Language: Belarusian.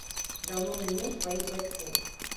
Даўно мінуў сваіх бацькоў.